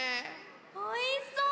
おいしそう！